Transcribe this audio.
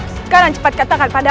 sekarang cepat katakan pada